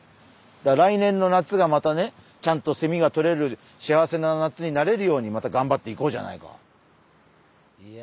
だから来年の夏がまたねちゃんとセミがとれる幸せな夏になれるようにまたがんばっていこうじゃないか。